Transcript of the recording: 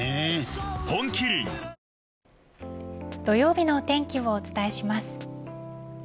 土曜日のお天気をお伝えします。